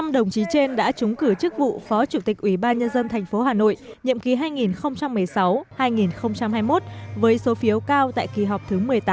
năm đồng chí trên đã trúng cử chức vụ phó chủ tịch ủy ban nhân dân tp hà nội nhiệm ký hai nghìn một mươi sáu hai nghìn hai mươi một với số phiếu cao tại kỳ họp thứ một mươi tám